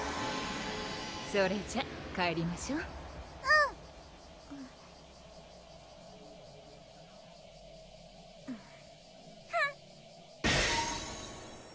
それじゃ帰りましょううんフン！